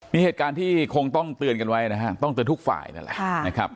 มีเหตุการณ์ที่คงต้องเตือนกันไว้นะฮะต้องเตือนทุกฝ่ายนั่นแหละนะครับ